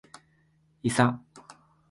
いさ